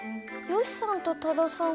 よしさんと多田さん